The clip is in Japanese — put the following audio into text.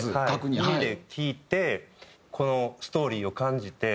耳で聴いてこのストーリーを感じて。